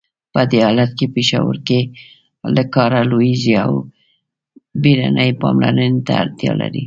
په دې حالت کې پښتورګي له کاره لویږي او بیړنۍ پاملرنې ته اړتیا لري.